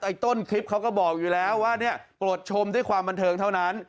ต้นคลิปเขาก็บอกอยู่แล้วว่าเนี่ยโปรดชมด้วยความบันเทิงเท่านั้น